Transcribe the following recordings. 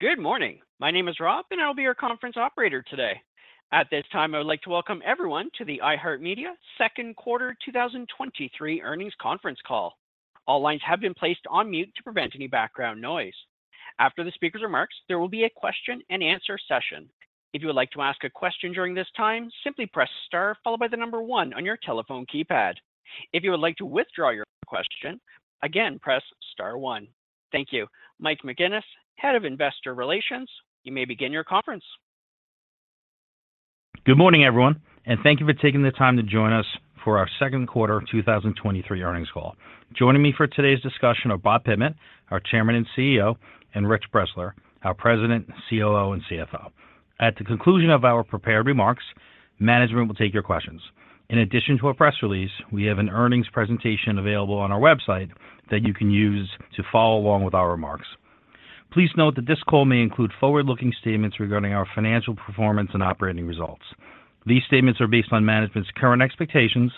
Good morning. My name is Rob. I'll be your conference operator today. At this time, I would like to welcome everyone to the iHeartMedia Second Quarter 2023 earnings conference call. All lines have been placed on mute to prevent any background noise. After the speaker's remarks, there will be a question-and-answer session. If you would like to ask a question during this time, simply press Star followed by one on your telephone keypad. If you would like to withdraw your question, again, press Star one. Thank you. Michael McGuinness, Head of Investor Relations, you may begin your conference. Good morning, everyone, and thank you for taking the time to join us for our second quarter of 2023 earnings call. Joining me for today's discussion are Bob Pittman, our Chairman and CEO, and Rich Bressler, our President, COO, and CFO. At the conclusion of our prepared remarks, management will take your questions. In addition to a press release, we have an earnings presentation available on our website that you can use to follow along with our remarks. Please note that this call may include forward-looking statements regarding our financial performance and operating results. These statements are based on management's current expectations,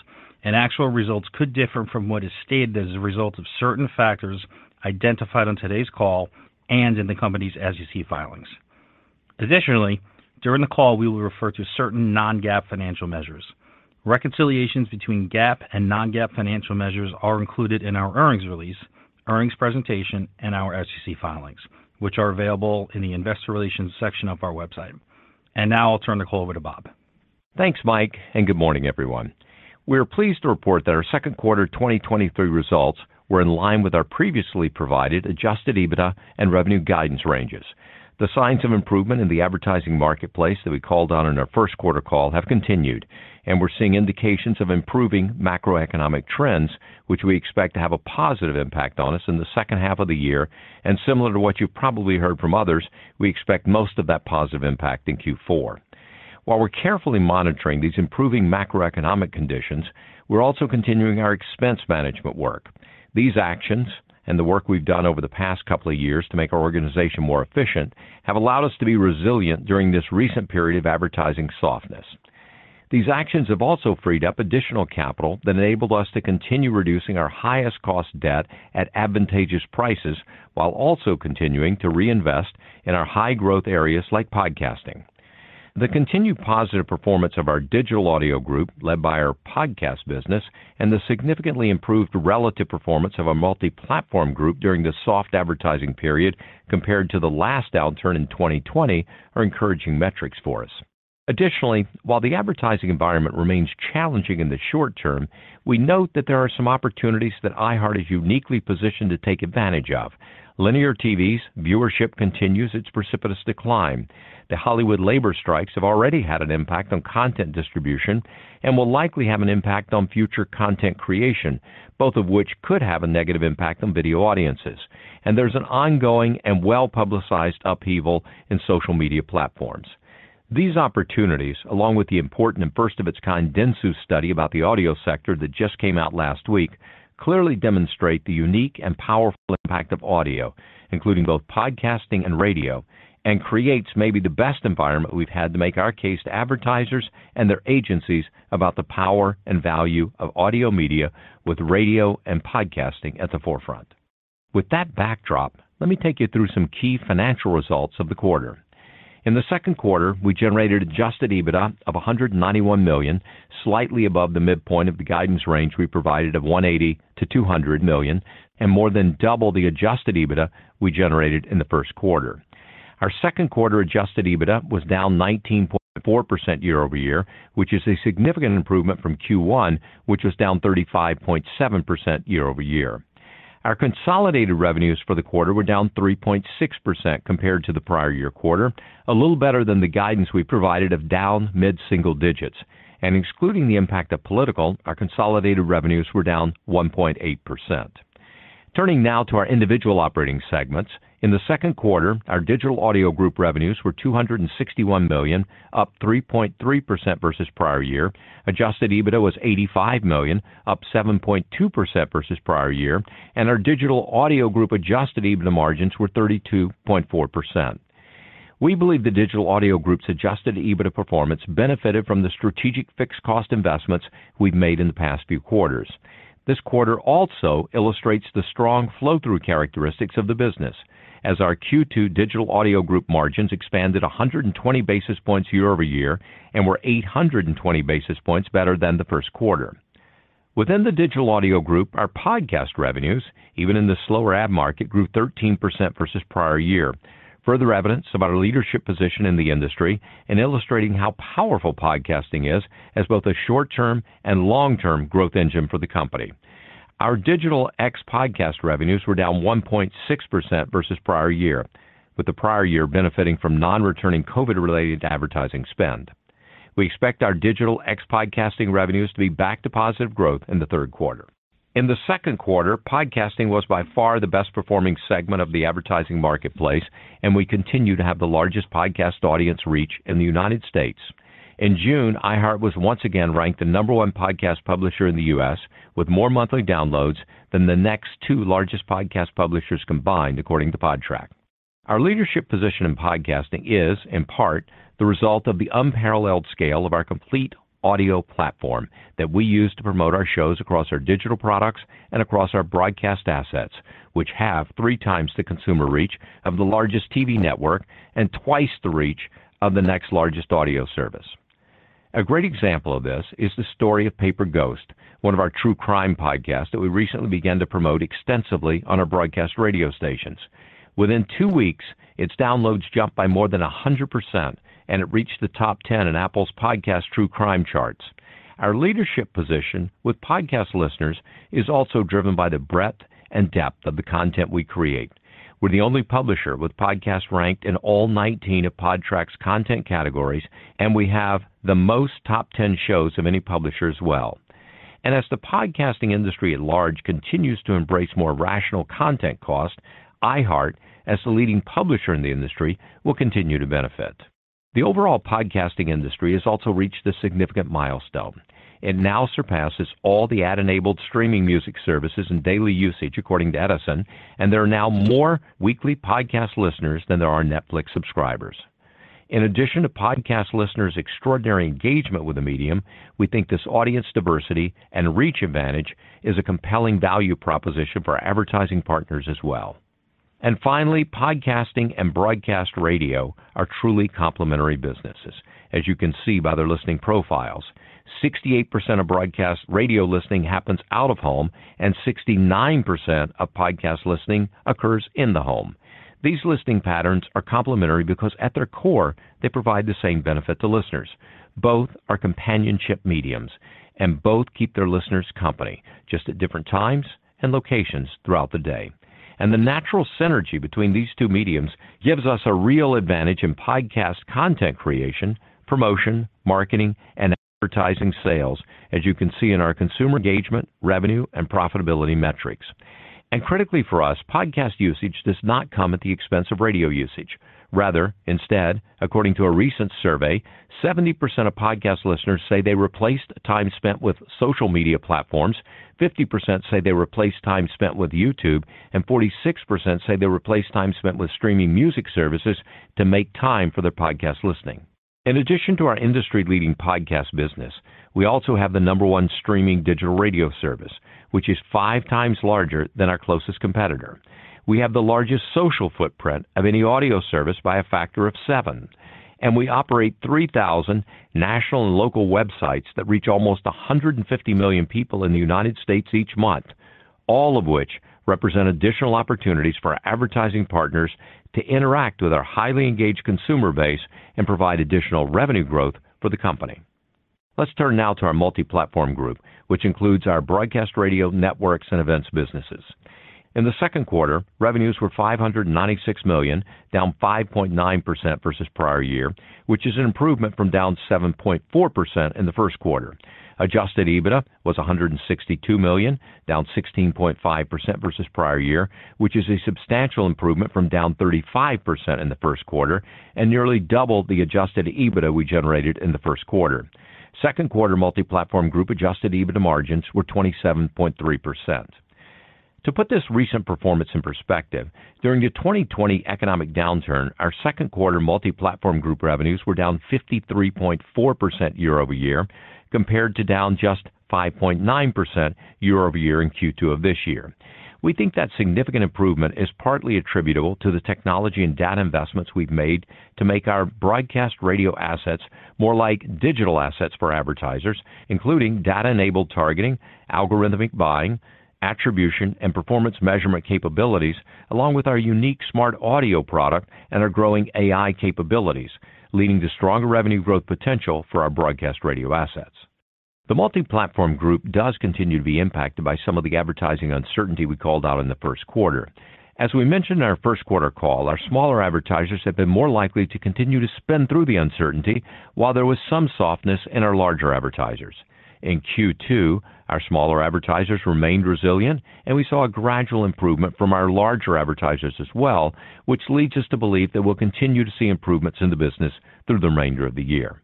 and actual results could differ from what is stated as a result of certain factors identified on today's call and in the Company's SEC filings. Additionally, during the call, we will refer to certain non-GAAP financial measures. Reconciliations between GAAP and non-GAAP financial measures are included in our earnings release, earnings presentation, and our SEC filings, which are available in the Investor Relations section of our website. Now I'll turn the call over to Bob. Thanks, Mike. Good morning, everyone. We're pleased to report that our second quarter 2023 results were in line with our previously provided adjusted EBITDA and revenue guidance ranges. The signs of improvement in the advertising marketplace that we called on in our first quarter call have continued, and we're seeing indications of improving macroeconomic trends, which we expect to have a positive impact on us in the second half of the year. Similar to what you've probably heard from others, we expect most of that positive impact in Q4. While we're carefully monitoring these improving macroeconomic conditions, we're also continuing our expense management work. These actions and the work we've done over the past couple of years to make our organization more efficient, have allowed us to be resilient during this recent period of advertising softness. These actions have also freed up additional capital that enabled us to continue reducing our highest cost debt at advantageous prices, while also continuing to reinvest in our high-growth areas like podcasting. The continued positive performance of our Digital Audio Group, led by our podcast business, and the significantly improved relative performance of a Multiplatform Group during this soft advertising period compared to the last downturn in 2020, are encouraging metrics for us. Additionally, while the advertising environment remains challenging in the short term, we note that there are some opportunities that iHeart is uniquely positioned to take advantage of. Linear TV's viewership continues its precipitous decline. The Hollywood labor strikes have already had an impact on content distribution and will likely have an impact on future content creation, both of which could have a negative impact on video audiences. There's an ongoing and well-publicized upheaval in social media platforms. These opportunities, along with the important and first of its kind Dentsu study about the audio sector that just came out last week, clearly demonstrate the unique and powerful impact of audio, including both podcasting and radio, and creates maybe the best environment we've had to make our case to advertisers and their agencies about the power and value of audio media with radio and podcasting at the forefront. With that backdrop, let me take you through some key financial results of the quarter. In the second quarter, we generated adjusted EBITDA of $191 million, slightly above the midpoint of the guidance range we provided of $180 million-$200 million, and more than double the adjusted EBITDA we generated in the first quarter. Our second quarter adjusted EBITDA was down 19.4% year-over-year, which is a significant improvement from Q1, which was down 35.7% year-over-year. Our consolidated revenues for the quarter were down 3.6% compared to the prior year quarter, a little better than the guidance we provided of down mid-single digits. Excluding the impact of political, our consolidated revenues were down 1.8%. Turning now to our individual operating segments. In the second quarter, our Digital Audio Group revenues were $261 million, up 3.3% versus prior year. Adjusted EBITDA was $85 million, up 7.2% versus prior year, and our Digital Audio Group adjusted EBITDA margins were 32.4%. We believe the Digital Audio Group's adjusted EBITDA performance benefited from the strategic fixed cost investments we've made in the past few quarters. This quarter also illustrates the strong flow-through characteristics of the business, as our Q2 Digital Audio Group margins expanded 120 basis points year-over-year and were 820 basis points better than the first quarter. Within the Digital Audio Group, our podcast revenues, even in the slower ad market, grew 13% versus prior year. Further evidence about our leadership position in the industry and illustrating how powerful podcasting is as both a short-term and long-term growth engine for the company. Our digital ex-podcast revenues were down 1.6% versus prior year, with the prior year benefiting from non-returning COVID-related advertising spend. We expect our digital ex-podcasting revenues to be back to positive growth in the third quarter. In the second quarter, podcasting was by far the best performing segment of the advertising marketplace. We continue to have the largest podcast audience reach in the United States. In June, iHeart was once again ranked the number one podcast publisher in The U.S., with more monthly downloads than the next two largest podcast publishers combined, according to Podtrac. Our leadership position in podcasting is, in part, the result of the unparalleled scale of our complete audio platform that we use to promote our shows across our digital products and across our broadcast assets, which have three times the consumer reach of the largest TV network and twice the reach of the next largest audio service. A great example of this is the story of Paper Ghosts, one of our true crime podcasts that we recently began to promote extensively on our broadcast radio stations. Within two weeks, its downloads jumped by more than 100%, and it reached the top 10 in Apple Podcasts True Crime charts. Our leadership position with podcast listeners is also driven by the breadth and depth of the content we create. We're the only publisher with podcasts ranked in all 19 of Podtrac's content categories, and we have the most top 10 shows of any publisher as well. As the podcasting industry at large continues to embrace more rational content cost, iHeart, as the leading publisher in the industry, will continue to benefit. The overall podcasting industry has also reached a significant milestone. It now surpasses all the ad-enabled streaming music services in daily usage, according to Edison Research, and there are now more weekly podcast listeners than there are Netflix subscribers. In addition to podcast listeners' extraordinary engagement with the medium, we think this audience diversity and reach advantage is a compelling value proposition for our advertising partners as well. Finally, podcasting and broadcast radio are truly complementary businesses. As you can see by their listening profiles, 68% of broadcast radio listening happens out of home, and 69% of podcast listening occurs in the home. These listening patterns are complementary because at their core, they provide the same benefit to listeners. Both are companionship mediums, and both keep their listeners company, just at different times and locations throughout the day. The natural synergy between these two mediums gives us a real advantage in podcast content creation, promotion, marketing, and advertising sales, as you can see in our consumer engagement, revenue, and profitability metrics. Critically for us, podcast usage does not come at the expense of radio usage. Rather, instead, according to a recent survey, 70% of podcast listeners say they replaced time spent with social media platforms, 50% say they replaced time spent with YouTube, and 46% say they replaced time spent with streaming music services to make time for their podcast listening. In addition to our industry-leading podcast business, we also have the number one streaming digital radio service, which is 5 times larger than our closest competitor. We have the largest social footprint of any audio service by a factor of seven, and we operate 3,000 national and local websites that reach almost 150 million people in the United States each month, all of which represent additional opportunities for our advertising partners to interact with our highly engaged consumer base and provide additional revenue growth for the company. Let's turn now to our Multiplatform Group, which includes our broadcast radio networks and events businesses. In the second quarter, revenues were $596 million, down 5.9% versus prior year, which is an improvement from down 7.4% in the first quarter. Adjusted EBITDA was $162 million, down 16.5% versus prior year, which is a substantial improvement from down 35% in the first quarter and nearly double the adjusted EBITDA we generated in the first quarter. Second quarter Multiplatform Group adjusted EBITDA margins were 27.3%. To put this recent performance in perspective, during the 2020 economic downturn, our second quarter Multiplatform Group revenues were down 53.4% year-over-year, compared to down just 5.9% year-over-year in Q2 of this year. We think that significant improvement is partly attributable to the technology and data investments we've made to make our broadcast radio assets more like digital assets for advertisers, including data-enabled targeting, algorithmic buying, attribution, and performance measurement capabilities, along with our unique SmartAudio product and our growing AI capabilities, leading to stronger revenue growth potential for our broadcast radio assets. The Multiplatform Group does continue to be impacted by some of the advertising uncertainty we called out in the first quarter. As we mentioned in our first quarter call, our smaller advertisers have been more likely to continue to spend through the uncertainty, while there was some softness in our larger advertisers. In Q2, our smaller advertisers remained resilient, and we saw a gradual improvement from our larger advertisers as well, which leads us to believe that we'll continue to see improvements in the business through the remainder of the year.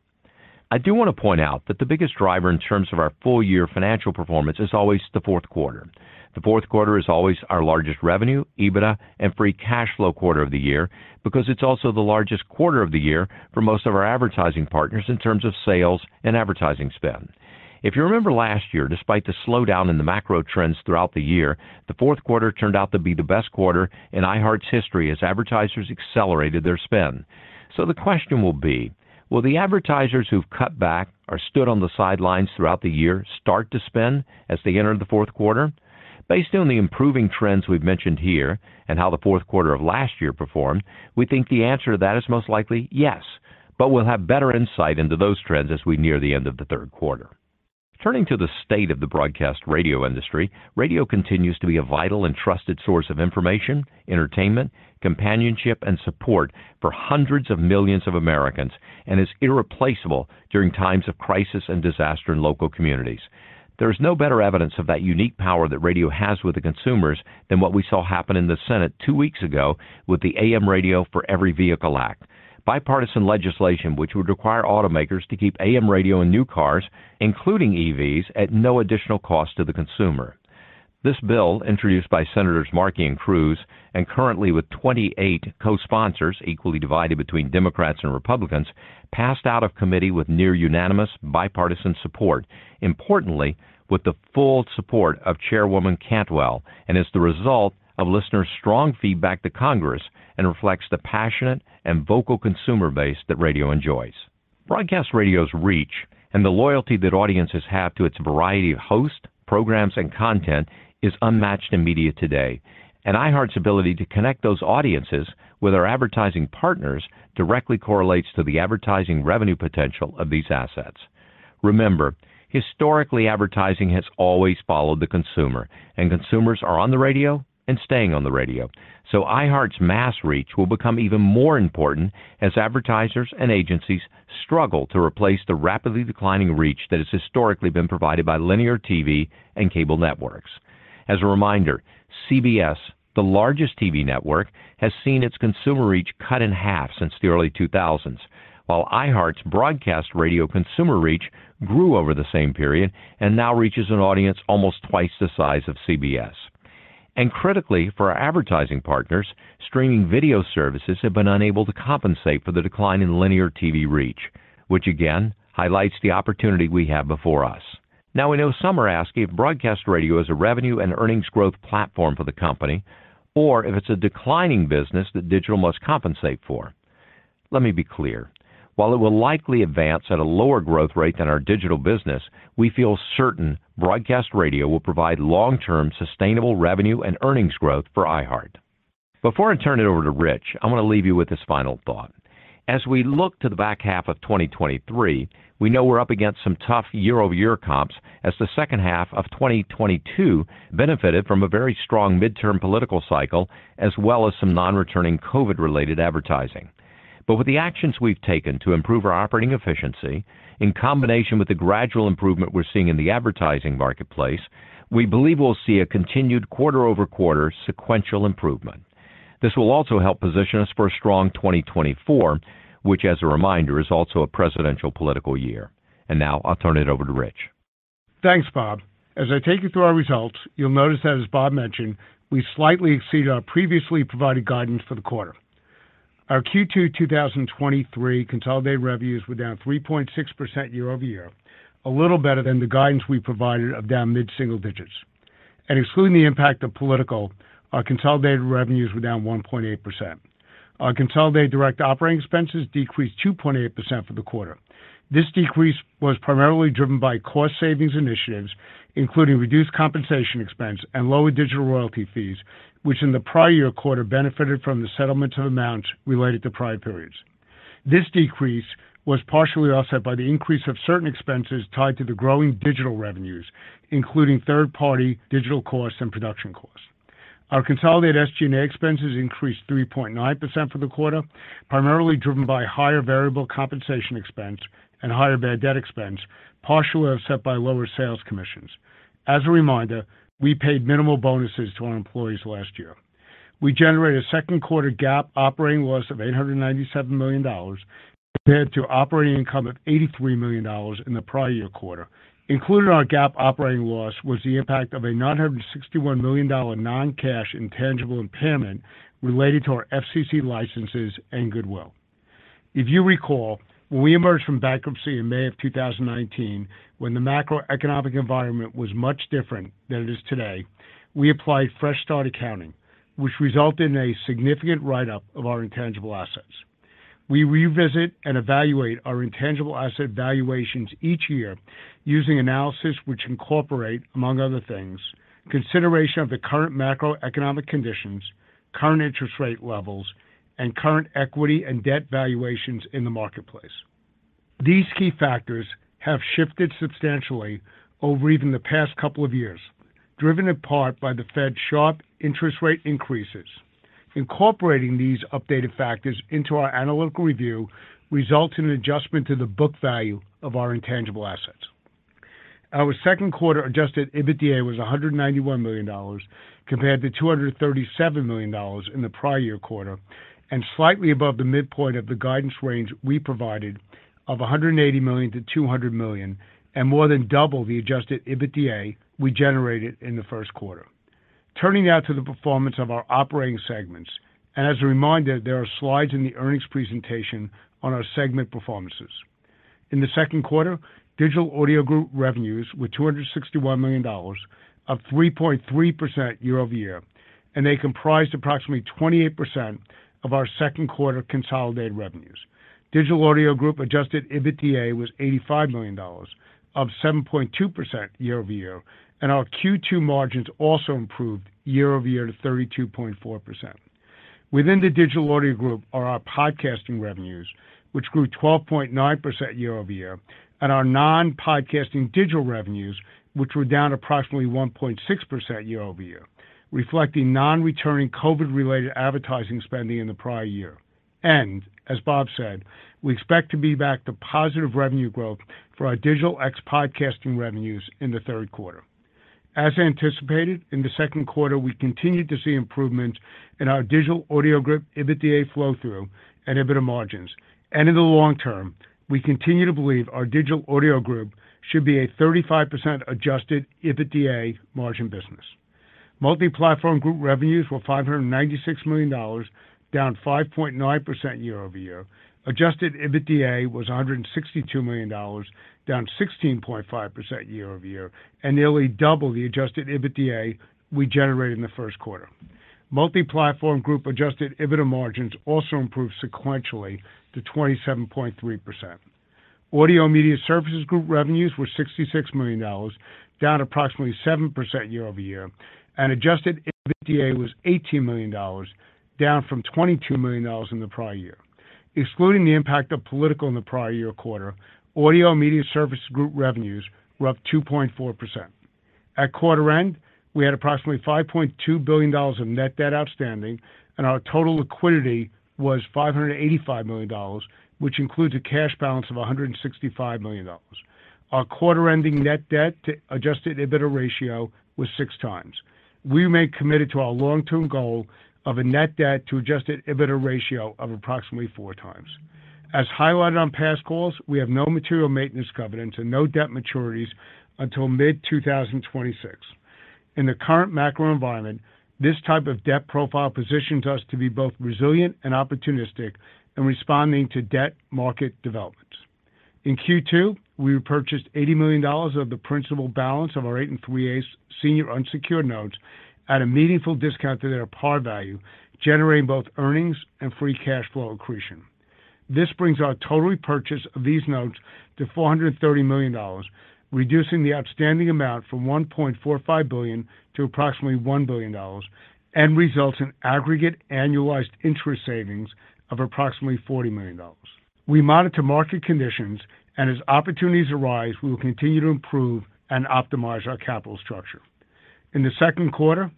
I do want to point out that the biggest driver in terms of our full-year financial performance is always the fourth quarter. The fourth quarter is always our largest revenue, EBITDA, and free cash flow quarter of the year because it's also the largest quarter of the year for most of our advertising partners in terms of sales and advertising spend. If you remember last year, despite the slowdown in the macro trends throughout the year, the fourth quarter turned out to be the best quarter in iHeart's history as advertisers accelerated their spend. The question will be: Will the advertisers who've cut back or stood on the sidelines throughout the year start to spend as they enter the fourth quarter? Based on the improving trends we've mentioned here and how the fourth quarter of last year performed, we think the answer to that is most likely yes, but we'll have better insight into those trends as we near the end of the third quarter. Turning to the state of the broadcast radio industry, radio continues to be a vital and trusted source of information, entertainment, companionship, and support for hundreds of millions of Americans, and is irreplaceable during times of crisis and disaster in local communities. There is no better evidence of that unique power that radio has with the consumers than what we saw happen in the Senate two weeks ago with the AM Radio for Every Vehicle Act, bipartisan legislation, which would require automakers to keep AM radio in new cars, including EVs, at no additional cost to the consumer. This bill, introduced by Senators Markey and Cruz, and currently with 28 co-sponsors, equally divided between Democrats and Republicans, passed out of committee with near unanimous bipartisan support, importantly, with the full support of Chairwoman Cantwell, and is the result of listeners' strong feedback to Congress and reflects the passionate and vocal consumer base that radio enjoys.... Broadcast radio's reach and the loyalty that audiences have to its variety of hosts, programs, and content is unmatched in media today, iHeart's ability to connect those audiences with our advertising partners directly correlates to the advertising revenue potential of these assets. Remember, historically, advertising has always followed the consumer, and consumers are on the radio and staying on the radio. iHeart's mass reach will become even more important as advertisers and agencies struggle to replace the rapidly declining reach that has historically been provided by linear TV and cable networks. As a reminder, CBS, the largest TV network, has seen its consumer reach cut in half since the early 2000s, while iHeart's broadcast radio consumer reach grew over the same period and now reaches an audience almost two times the size of CBS. Critically, for our advertising partners, streaming video services have been unable to compensate for the decline in linear TV reach, which again, highlights the opportunity we have before us. Now, we know some are asking if broadcast radio is a revenue and earnings growth platform for the company or if it's a declining business that digital must compensate for. Let me be clear: while it will likely advance at a lower growth rate than our digital business, we feel certain broadcast radio will provide long-term, sustainable revenue and earnings growth for iHeart. Before I turn it over to Rich, I want to leave you with this final thought. As we look to the back half of 2023, we know we're up against some tough year-over-year comps as the second half of 2022 benefited from a very strong midterm political cycle, as well as some non-returning COVID-related advertising. With the actions we've taken to improve our operating efficiency, in combination with the gradual improvement we're seeing in the advertising marketplace, we believe we'll see a continued quarter-over-quarter sequential improvement. This will also help position us for a strong 2024, which, as a reminder, is also a presidential political year. Now I'll turn it over to Rich. Thanks, Bob. As I take you through our results, you'll notice that, as Bob mentioned, we slightly exceeded our previously provided guidance for the quarter. Our Q2-2023 consolidated revenues were down 3.6% year-over-year, a little better than the guidance we provided of down mid-single digits. Excluding the impact of political, our consolidated revenues were down 1.8%. Our consolidated direct operating expenses decreased 2.8% for the quarter. This decrease was primarily driven by cost savings initiatives, including reduced compensation expense and lower digital royalty fees, which in the prior year quarter benefited from the settlement of amounts related to prior periods. This decrease was partially offset by the increase of certain expenses tied to the growing digital revenues, including third-party digital costs and production costs. Our consolidated SG&A expenses increased 3.9% for the quarter, primarily driven by higher variable compensation expense and higher bad debt expense, partially offset by lower sales commissions. As a reminder, we paid minimal bonuses to our employees last year. We generated second quarter GAAP operating loss of $897 million, compared to operating income of $83 million in the prior year quarter. Included in our GAAP operating loss was the impact of a $961 million non-cash intangible impairment related to our FCC licenses and goodwill. If you recall, when we emerged from bankruptcy in May 2019, when the macroeconomic environment was much different than it is today, we applied fresh-start accounting, which resulted in a significant write-up of our intangible assets. We revisit and evaluate our intangible asset valuations each year using analysis which incorporate, among other things, consideration of the current macroeconomic conditions, current interest rate levels, and current equity and debt valuations in the marketplace. These key factors have shifted substantially over even the past couple of years, driven in part by the Fed's sharp interest rate increases. Incorporating these updated factors into our analytical review results in an adjustment to the book value of our intangible assets. Our second quarter adjusted EBITDA was $191 million, compared to $237 million in the prior year quarter, and slightly above the midpoint of the guidance range we provided of $180 million-$200 million, and more than double the adjusted EBITDA we generated in the first quarter. Turning now to the performance of our operating segments. As a reminder, there are slides in the earnings presentation on our segment performances. In the second quarter, Digital Audio Group revenues were $261 million, up 3.3% year-over-year. They comprised approximately 28% of our second quarter consolidated revenues. Digital Audio Group adjusted EBITDA was $85 million, up 7.2% year-over-year. Our Q2 margins also improved year-over-year to 32.4%. Within the Digital Audio Group are our podcasting revenues, which grew 12.9% year-over-year. Our non-podcasting digital revenues, which were down approximately 1.6% year-over-year, reflecting non-returning COVID-related advertising spending in the prior year. As Bob said, we expect to be back to positive revenue growth for our digital ex-podcast revenues in the third quarter. As anticipated, in the second quarter, we continued to see improvements in our Digital Audio Group EBITDA flow-through and EBITDA margins. In the long term, we continue to believe our Digital Audio Group should be a 35% adjusted EBITDA margin business. Multiplatform Group revenues were $596 million, down 5.9% year-over-year. Adjusted EBITDA was $162 million, down 16.5% year-over-year, and nearly double the adjusted EBITDA we generated in the first quarter. Multiplatform Group adjusted EBITDA margins also improved sequentially to 27.3%. Audio & Media Services Group revenues were $66 million, down approximately 7% year-over-year, and adjusted EBITDA was $18 million, down from $22 million in the prior year. Excluding the impact of political in the prior year quarter, Audio & Media Services Group revenues were up 2.4%. At quarter end, we had approximately $5.2 billion of net debt outstanding, and our total liquidity was $585 million, which includes a cash balance of $165 million. Our quarter-ending net debt to adjusted EBITDA ratio was six times. We remain committed to our long-term goal of a net debt to adjusted EBITDA ratio of approximately 4 times. As highlighted on past calls, we have no material maintenance covenants and no debt maturities until mid 2026. In the current macro environment, this type of debt profile positions us to be both resilient and opportunistic in responding to debt market developments. In Q2, we repurchased $80 million of the principal balance of our 8.375% senior unsecured notes at a meaningful discount to their par value, generating both earnings and free cash flow accretion. This brings our total repurchase of these notes to $430 million, reducing the outstanding amount from $1.45 billion to approximately $1 billion, and results in aggregate annualized interest savings of approximately $40 million. We monitor market conditions, and as opportunities arise, we will continue to improve and optimize our capital structure. In the second quarter,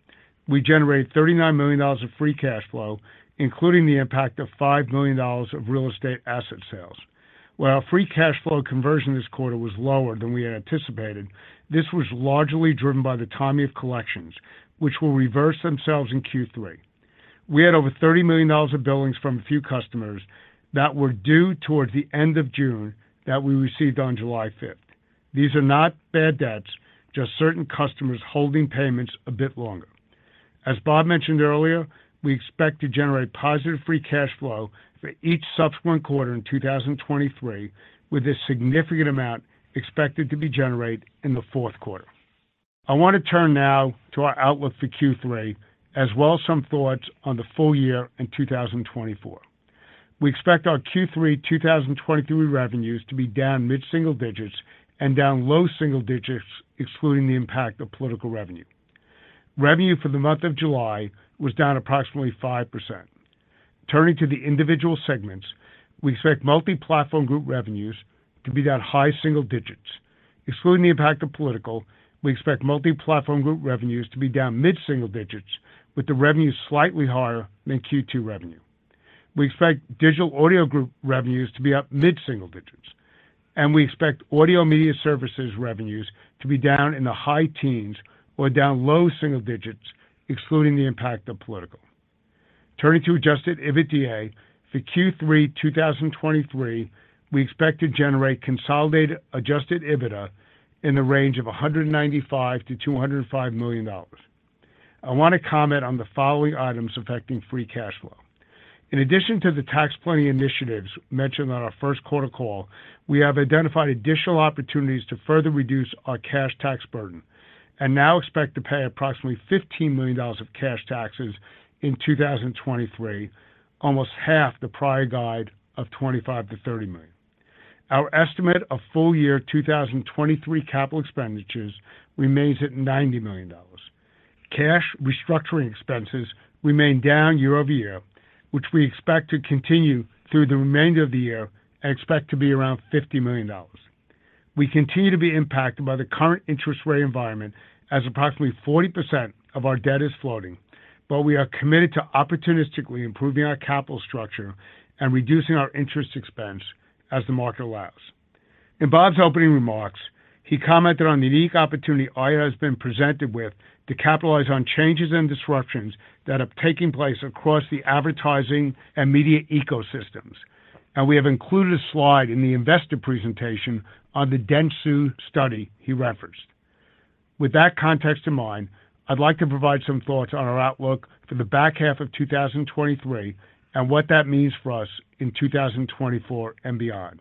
we generated $39 million of free cash flow, including the impact of $5 million of real estate asset sales. While our free cash flow conversion this quarter was lower than we had anticipated, this was largely driven by the timing of collections, which will reverse themselves in Q3. We had over $30 million of billings from a few customers that were due towards the end of June that we received on July fifth. These are not bad debts, just certain customers holding payments a bit longer. As Bob mentioned earlier, we expect to generate positive free cash flow for each subsequent quarter in 2023, with a significant amount expected to be generated in the fourth quarter. I want to turn now to our outlook for Q3, as well as some thoughts on the full year in 2024. We expect our Q3 2023 revenues to be down mid-single digits and down low double digits, excluding the impact of political revenue. Revenue for the month of July was down approximately 5%. Turning to the individual segments, we expect Multiplatform Group revenues to be down high single digits. Excluding the impact of political, we expect Multiplatform Group revenues to be down mid-single digits, with the revenues slightly higher than Q2 revenue. We expect Digital Audio Group revenues to be up mid-single digits, and we expect Audio & Media Services revenues to be down in the high teens or down low single digits, excluding the impact of political. Turning to adjusted EBITDA for Q3 2023, we expect to generate consolidated adjusted EBITDA in the range of $195 million-$205 million. I want to comment on the following items affecting free cash flow. In addition to the tax planning initiatives mentioned on our first quarter call, we have identified additional opportunities to further reduce our cash tax burden and now expect to pay approximately $15 million of cash taxes in 2023, almost half the prior guide of $25 million-$30 million. Our estimate of full year 2023 capital expenditures remains at $90 million. Cash restructuring expenses remain down year-over-year, which we expect to continue through the remainder of the year and expect to be around $50 million. We continue to be impacted by the current interest rate environment, as approximately 40% of our debt is floating, but we are committed to opportunistically improving our capital structure and reducing our interest expense as the market allows. In Bob's opening remarks, he commented on the unique opportunity iHeart has been presented with to capitalize on changes and disruptions that have taken place across the advertising and media ecosystems. We have included a slide in the investor presentation on the Dentsu study he referenced. With that context in mind, I'd like to provide some thoughts on our outlook for the back half of 2023 and what that means for us in 2024 and beyond.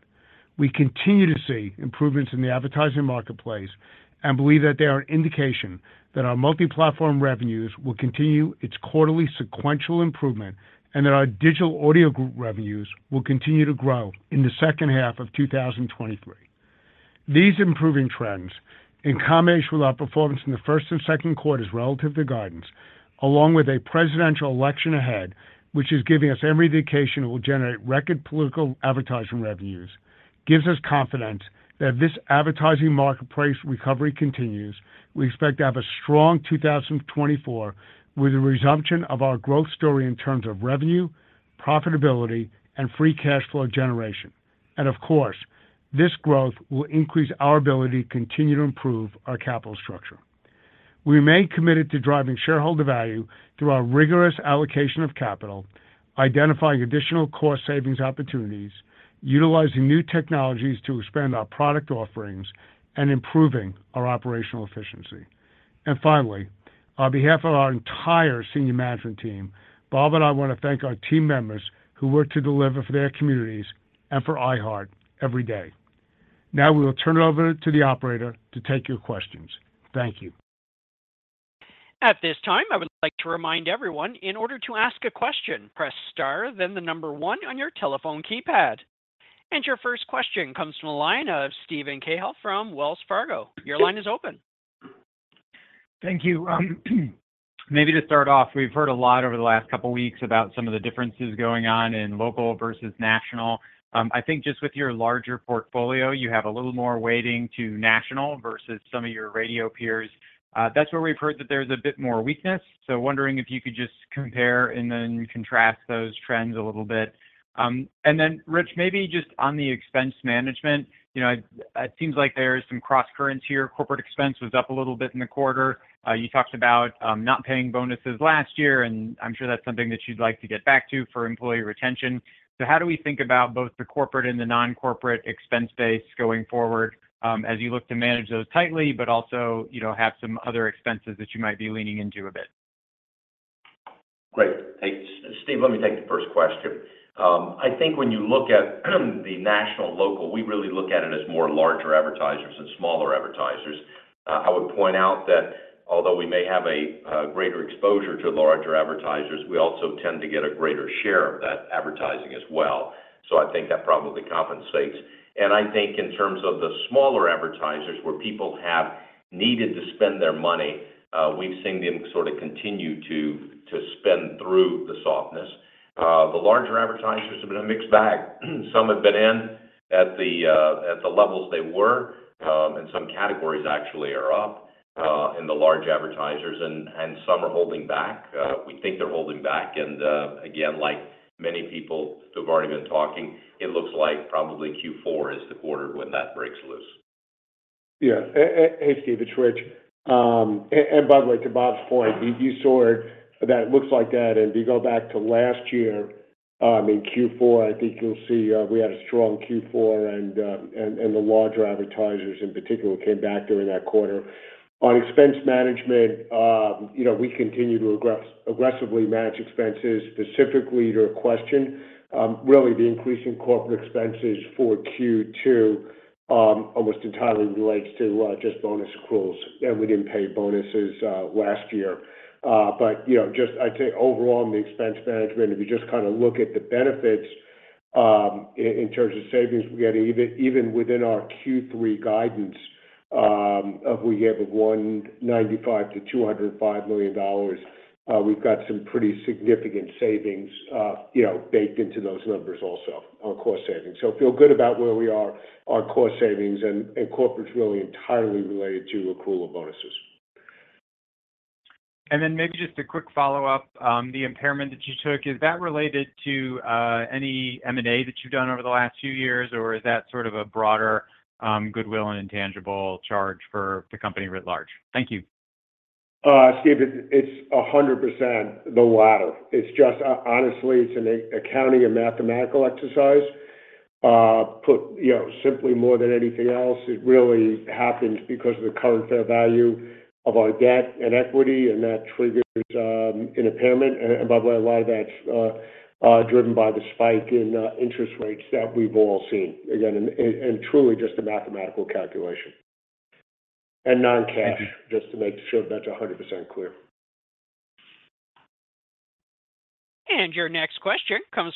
We continue to see improvements in the advertising marketplace and believe that they are an indication that our Multiplatform revenues will continue its quarterly sequential improvement and that our Digital Audio Group revenues will continue to grow in the second half of 2023. These improving trends, in combination with our performance in the first and second quarters relative to guidance, along with a presidential election ahead, which is giving us every indication it will generate record political advertising revenues, gives us confidence that if this advertising marketplace recovery continues, we expect to have a strong 2024, with a resumption of our growth story in terms of revenue, profitability, and free cash flow generation. Of course, this growth will increase our ability to continue to improve our capital structure. We remain committed to driving shareholder value through our rigorous allocation of capital, identifying additional cost savings opportunities, utilizing new technologies to expand our product offerings, and improving our operational efficiency. Finally, on behalf of our entire senior management team, Bob and I want to thank our team members who work to deliver for their communities and for iHeart every day. Now we will turn it over to the operator to take your questions. Thank you. At this time, I would like to remind everyone, in order to ask a question, press star, then the number 1 on your telephone keypad. Your first question comes from the line of Steven Cahall from Wells Fargo. Your line is open. Thank you. Maybe to start off, we've heard a lot over the last couple weeks about some of the differences going on in local versus national. I think just with your larger portfolio, you have a little more weighting to national versus some of your radio peers. That's where we've heard that there's a bit more weakness. Wondering if you could just compare and then contrast those trends a little bit. Then, Rich, maybe just on the expense management, you know, it, it seems like there's some crosscurrents here. Corporate expense was up a little bit in the quarter. You talked about not paying bonuses last year, and I'm sure that's something that you'd like to get back to for employee retention. How do we think about both the corporate and the non-corporate expense base going forward, as you look to manage those tightly, but also, you know, have some other expenses that you might be leaning into a bit? Great. Thanks. Steve, let me take the first question. I think when you look at the national, local, we really look at it as more larger advertisers and smaller advertisers. I would point out that although we may have a greater exposure to larger advertisers, we also tend to get a greater share of that advertising as well. I think that probably compensates. I think in terms of the smaller advertisers, where people have needed to spend their money, we've seen them sort of continue to, to spend through the softness. The larger advertisers have been a mixed bag. Some have been in at the at the levels they were, and some categories actually are up in the large advertisers and, and some are holding back. We think they're holding back, and again, like many people who have already been talking, it looks like probably Q4 is the quarter when that breaks loose. Yeah. Hey, Steve, it's Rich. By the way, to Bob's point, if you saw where that looks like that, and if you go back to last year, in Q4, I think you'll see, we had a strong Q4 and the larger advertisers, in particular, came back during that quarter. On expense management, you know, we continue to aggressively manage expenses. Specifically to your question, really, the increase in corporate expenses for Q2, almost entirely relates to just bonus accruals, and we didn't pay bonuses last year. You know, just I'd say overall, in the expense management, if you just kind of look at the benefits, in terms of savings, we're getting even, even within our Q3 guidance, of we have $195 million-$205 million. We've got some pretty significant savings, you know, baked into those numbers also, on cost savings. I feel good about where we are, our cost savings and, and corporate's really entirely related to accrual of bonuses. Then maybe just a quick follow-up. The impairment that you took, is that related to any M&A that you've done over the last few years, or is that sort of a broader goodwill and intangible charge for the company writ large? Thank you. Steve, it's 100% the latter. It's just, honestly, it's an accounting and mathematical exercise. you know, simply more than anything else, it really happens because of the current fair value of our debt and equity, and that triggers an impairment. By the way, a lot of that's driven by the spike in interest rates that we've all seen. Again, and truly, just a mathematical calculation. Non-cash, just to make sure that's 100% clear. Your next question comes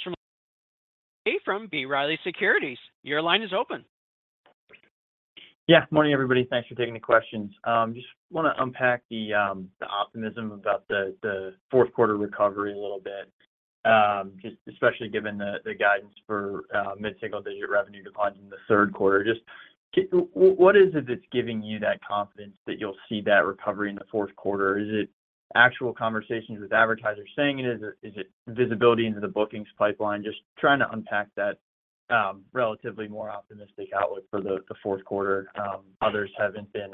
from B. Riley Securities. Your line is open. Yeah. Morning, everybody. Thanks for taking the questions. Just wanna unpack the optimism about the fourth quarter recovery a little bit, just especially given the guidance for mid-single-digit revenue decline in the third quarter. Just what is it that's giving you that confidence that you'll see that recovery in the fourth quarter? Is it actual conversations with advertisers saying it? Is it, is it visibility into the bookings pipeline? Just trying to unpack that relatively more optimistic outlook for the fourth quarter. Others haven't been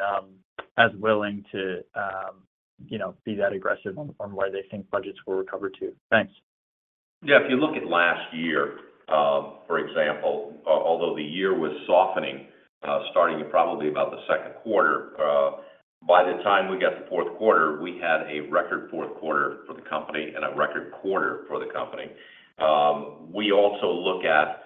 as willing to, you know, be that aggressive on where they think budgets will recover to. Thanks. Yeah, if you look at last year, for example, although the year was softening, starting in probably about the second quarter, by the time we got to the fourth quarter, we had a record fourth quarter for the company and a record quarter for the company. We also look at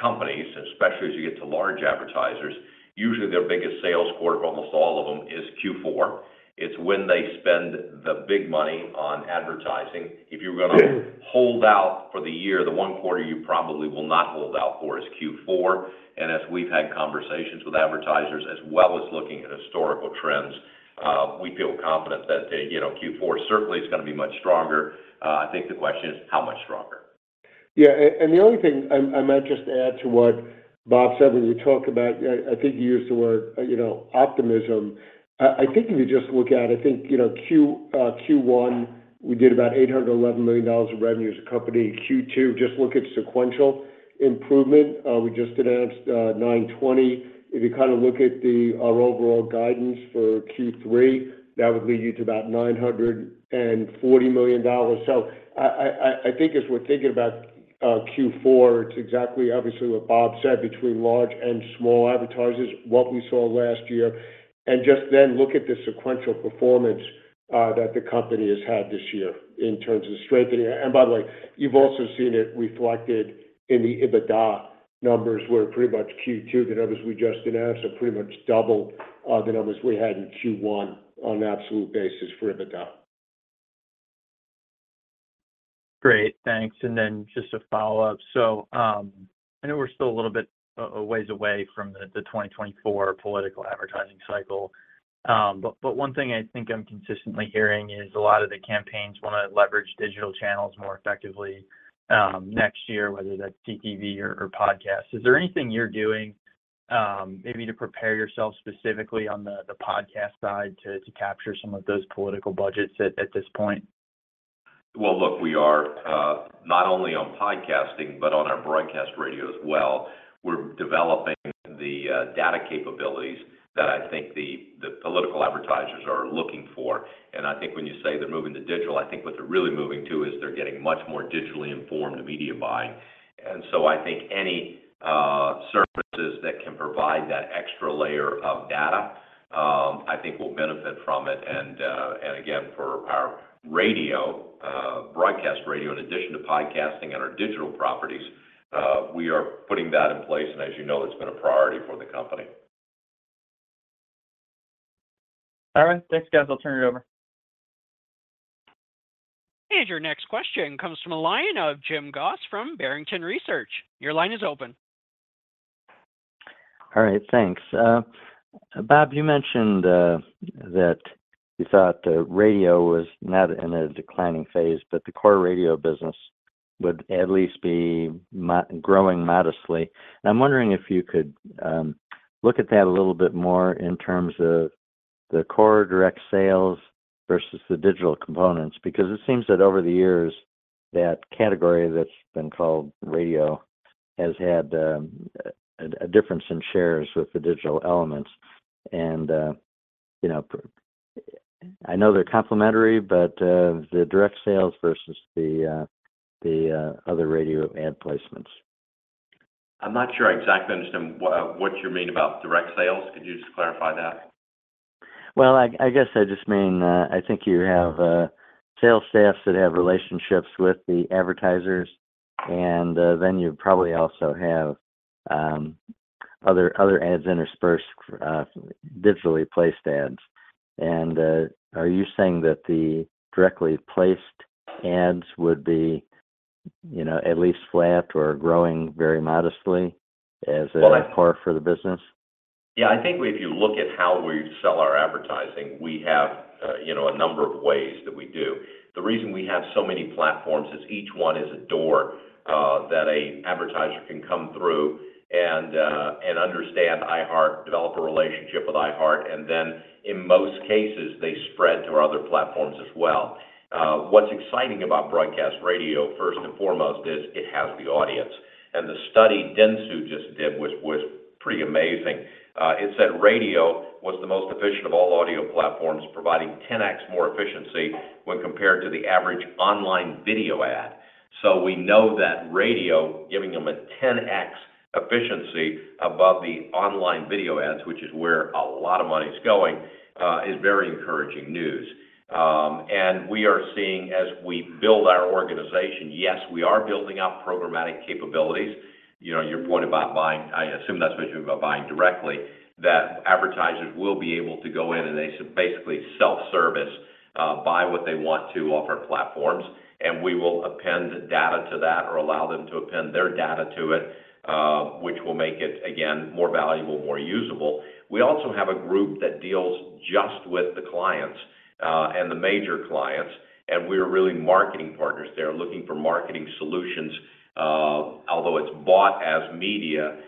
companies, especially as you get to large advertisers, usually their biggest sales quarter for almost all of them is Q4. It's when they spend the big money on advertising. If you were gonna hold out for the year, the one quarter you probably will not hold out for is Q4. As we've had conversations with advertisers, as well as looking at historical trends, we feel confident that, you know, Q4 certainly is gonna be much stronger. I think the question is: How much stronger? Yeah, the only thing I might just add to what Bob said, when you talk about, I think you used the word, you know, optimism. I think if you just look at, you know, Q1, we did about $811 million of revenue as a company. Q2, just look at sequential improvement. We just announced $920 million. If you look at our overall guidance for Q3, that would lead you to about $940 million. I think as we're thinking about Q4, it's exactly obviously what Bob said between large and small advertisers, what we saw last year, and just then look at the sequential performance that the company has had this year in terms of strengthening. By the way, you've also seen it reflected in the EBITDA numbers, where pretty much Q2, the numbers we just announced, are pretty much double, the numbers we had in Q1 on an absolute basis for EBITDA.... Great, thanks. Just a follow-up. I know we're still a little bit a ways away from the 2024 political advertising cycle. But one thing I think I'm consistently hearing is a lot of the campaigns wanna leverage digital channels more effectively next year, whether that's TTV or podcasts. Is there anything you're doing maybe to prepare yourself specifically on the podcast side, to capture some of those political budgets at this point? Well, look, we are not only on podcasting, but on our broadcast radio as well. We're developing the data capabilities that I think the political advertisers are looking for. I think when you say they're moving to digital, I think what they're really moving to is they're getting much more digitally informed media buy. I think any services that can provide that extra layer of data, I think will benefit from it. Again, for our radio, broadcast radio, in addition to podcasting and our digital properties, we are putting that in place, and as you know, it's been a priority for the company. All right. Thanks, guys. I'll turn it over. Your next question comes from the line of James Goss from Barrington Research. Your line is open. All right, thanks. Bob, you mentioned that you thought the radio was not in a declining phase, but the core radio business would at least be growing modestly. I'm wondering if you could look at that a little bit more in terms of the core direct sales versus the digital components. Because it seems that over the years, that category that's been called radio has had a difference in shares with the digital elements. You know, I know they're complementary, but the direct sales versus the other radio ad placements. I'm not sure I exactly understand what you mean about direct sales. Could you just clarify that? Well, I, I guess I just mean, I think you have, sales staffs that have relationships with the advertisers, and, then you probably also have, other, other ads interspersed, digitally placed ads. Are you saying that the directly placed ads would be, you know, at least flat or growing very modestly as a-? Well, core for the business? Yeah, I think if you look at how we sell our advertising, we have, you know, a number of ways that we do. The reason we have so many platforms is each one is a door that a advertiser can come through and understand iHeart, develop a relationship with iHeart, and then in most cases, they spread to our other platforms as well. What's exciting about broadcast radio, first and foremost, is it has the audience. The study Dentsu just did, which was pretty amazing. It said radio was the most efficient of all audio platforms, providing 10 times more efficiency when compared to the average online video ad. We know that radio, giving them a 10 times efficiency above the online video ads, which is where a lot of money is going, is very encouraging news. We are seeing as we build our organization, yes, we are building out programmatic capabilities. You know, your point about buying, I assume that's what you're buying directly, that advertisers will be able to go in, and they basically self-service, buy what they want to off our platforms, and we will append data to that or allow them to append their data to it, which will make it, again, more valuable, more usable. We also have a group that deals just with the clients, and the major clients, and we're really marketing partners. They're looking for marketing solutions, although it's bought as media,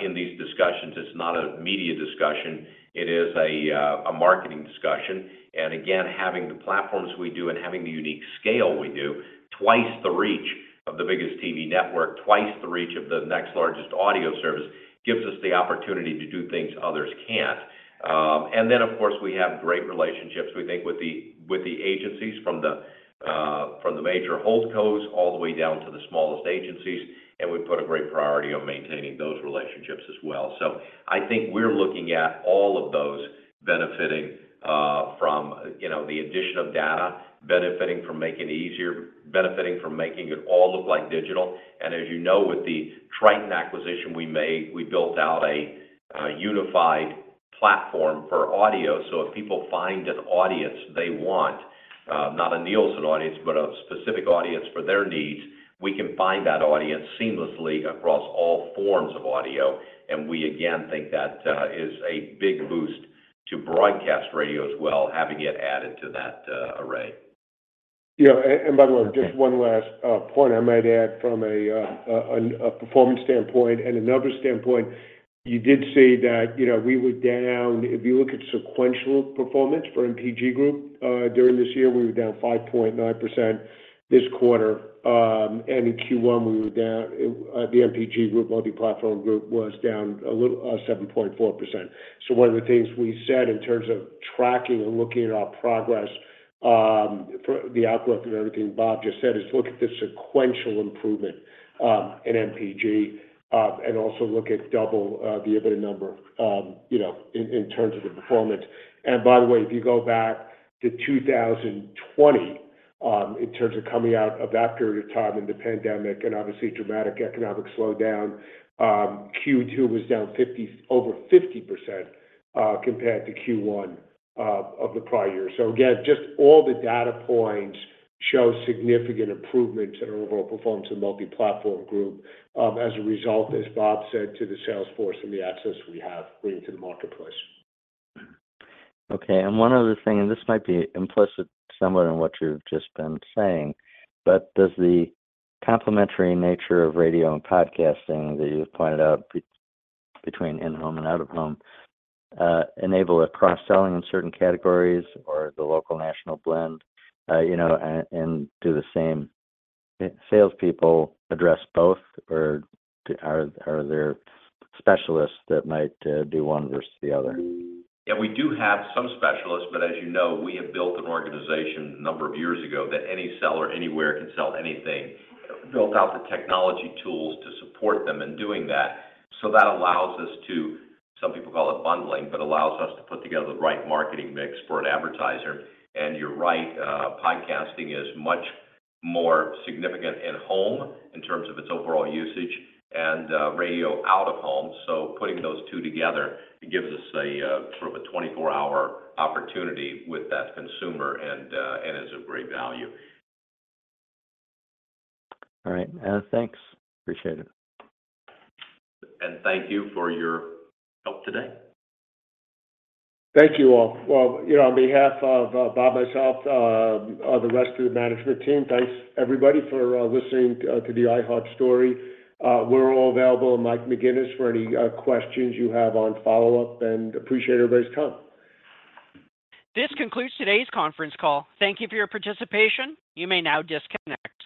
in these discussions, it's not a media discussion, it is a, a marketing discussion. Again, having the platforms we do and having the unique scale we do, 2x the reach of the biggest TV network, two times the reach of the next largest audio service, gives us the opportunity to do things others can't. Then, of course, we have great relationships, we think, with the, with the agencies from the major holdcores all the way down to the smallest agencies, and we put a great priority on maintaining those relationships as well. I think we're looking at all of those benefiting from, you know, the addition of data, benefiting from making it easier, benefiting from making it all look like digital. As you know, with the Triton acquisition we made, we built out a, a unified platform for audio. If people find an audience they want, not a Nielsen audience, but a specific audience for their needs, we can find that audience seamlessly across all forms of audio. We again, think that is a big boost to broadcast radio as well, having it added to that array. Yeah, and by the way, just one last point I might add from a performance standpoint and another standpoint, you did say that, you know, we were down. If you look at sequential performance for MPG Group, during this year, we were down 5.9% this quarter. And in Q1, we were down, the MPG Group, Multiplatform Group, was down a little, 7.4%. One of the things we said in terms of tracking and looking at our progress, for the outlook and everything Bob just said, is look at the sequential improvement in MPG, and also look at double the EBITDA number, you know, in terms of the performance. By the way, if you go back to 2020, in terms of coming out of that period of time in the pandemic and obviously dramatic economic slowdown, Q2 was down 50%, over 50% compared to Q1 of the prior year. Again, just all the data points show significant improvement in our overall performance in Multiplatform Group. As a result, as Bob said to the sales force and the access we have into the marketplace. Okay, one other thing, and this might be implicit somewhat in what you've just been saying, but does the complementary nature of radio and podcasting that you have pointed out between in-home and out-of-home enable a cross-selling in certain categories or the local national blend? You know, do the same salespeople address both, or are there specialists that might do one versus the other? Yeah, we do have some specialists, but as you know, we have built an organization a number of years ago, that any seller anywhere can sell anything. Built out the technology tools to support them in doing that. That allows us to, some people call it bundling, but allows us to put together the right marketing mix for an advertiser. You're right, podcasting is much more significant in home in terms of its overall usage and radio out-of-home. Putting those two together, it gives us a sort of a 24-hour opportunity with that consumer and is of great value. All right, thanks. Appreciate it. Thank you for your help today. Thank you all. Well, you know, on behalf of Bob, myself, the rest of the management team, thanks, everybody, for listening to the iHeart story. We're all available, and Michael McGuinness, for any questions you have on follow-up, and appreciate everybody's time. This concludes today's conference call. Thank you for your participation. You may now disconnect.